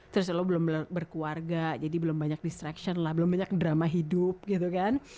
terus lo belum berkeluarga jadi belum banyak distraction lah belum banyak drama hidup gitu kan